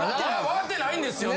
わかってないんですよ。